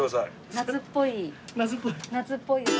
夏っぽい？